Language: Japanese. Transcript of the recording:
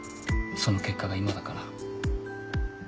その結果が今だから。